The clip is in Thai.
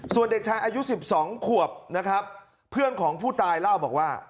ส่วนเด็กชายอายุ๑๒ขวบนะครับเพื่อนของผู้ตายเล่าบอกว่า